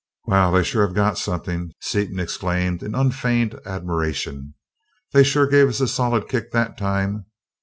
"Wow! They sure have got something!" Seaton exclaimed in unfeigned admiration. "They sure gave us a solid kick that time!